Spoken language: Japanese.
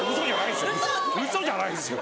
ウソじゃないですよ